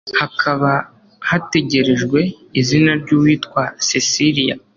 hakaba hategerejwe izina ry'uwitwa Cecilia